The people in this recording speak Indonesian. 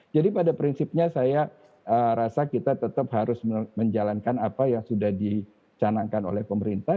jadi pada prinsipnya saya rasa kita tetap harus menjalankan apa yang sudah dicanangkan oleh pemerintah